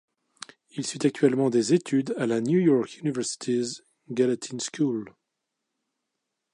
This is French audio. Il suit actuellement des études à la New York University's Gallatin School.